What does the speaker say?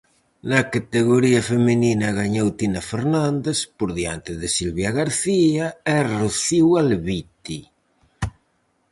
Na categoría feminina, gañou Tina Fernández, por diante de Silvia García e Rocío Alvite.